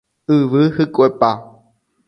Yvy hykuepa